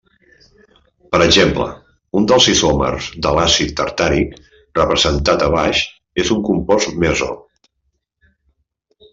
Per exemple, un dels isòmers de l'àcid tartàric representat a baix és un compost meso.